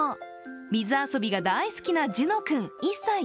水遊びが大好きなジュノ君、１歳。